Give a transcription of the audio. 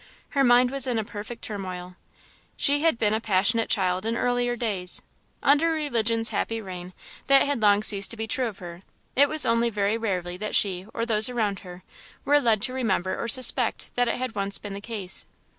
Her mind was in a perfect turmoil. She had been a passionate child in earlier days; under religion's happy reign, that had long ceased to be true of her; it was only very rarely that she, or those around her, were led to remember or suspect that it had once been the case.